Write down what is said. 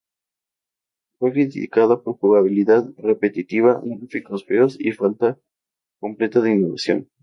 Fue criticado por jugabilidad repetitiva, gráficos feos, y falta completa de innovación.